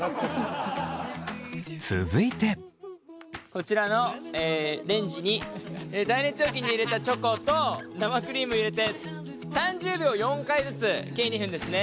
こちらのレンジに耐熱容器に入れたチョコと生クリーム入れて３０秒を４回ずつ計２分ですね。